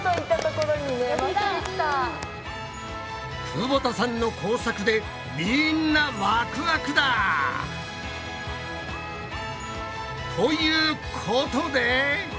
久保田さんの工作でみんなワクワクだ！ということで！